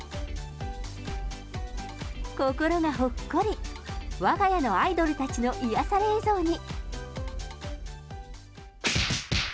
心がほっこり、わが家のアイドルたちの癒やされ映像に。